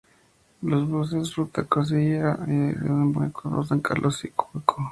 Los "Buses Ruta Cordillera" que unen el pueblo con San Carlos y Coihueco.